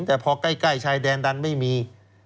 แต่พอใกล้ชายแดนดันไม่มี